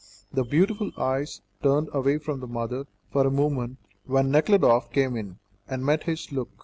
The beautiful eyes turned away from the mother for a moment when Nekhludoff came in, and met his look.